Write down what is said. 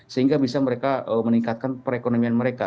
sehingga bisa mereka meningkatkan perekonomian mereka